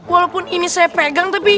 walaupun ini saya pegang tapi